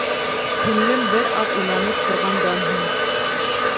Һеңлем бер аҙ уйланып торғандан һуң: